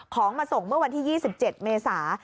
ของมาส่งเมื่อวันที่๒๗เมษา